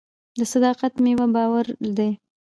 د صداقت میوه باور دی.